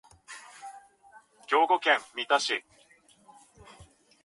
兵庫県三田市